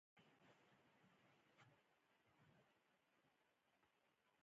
بېنډۍ د سابو ملکانه ده